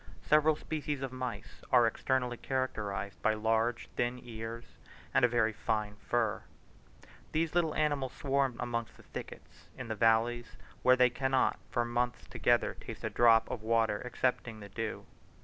Several species of mice are externally characterized by large thin ears and a very fine fur. These little animals swarm amongst the thickets in the valleys, where they cannot for months together taste a drop of water excepting the dew.